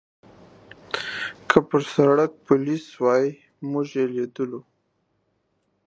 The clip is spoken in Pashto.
که پر سړک پولیس وای، موږ یې لیدلو.